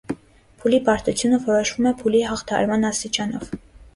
Փուլի բարդությունը որոշվում է, փուլի հաղթահարման աստիճանով։